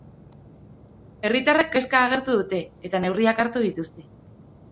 Herritarrek kezka agertu dute, eta neurriak hartu dituzte.